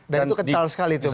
dan itu kental sekali itu pak